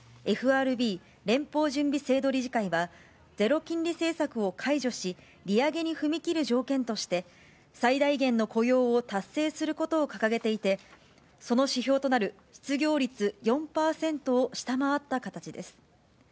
ＦＲＢ・連邦準備制度理事会は、ゼロ金利政策を解除し、利上げに踏み切る条件として、最大限の雇用を達成することを掲げていて、その指標となる失業率４％を下回った形です。